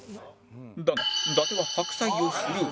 だが伊達は白菜をスルー